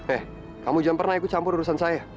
eh kamu jangan pernah ikut campur urusan saya